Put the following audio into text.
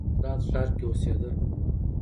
هغه په بغداد ښار کې اوسیده.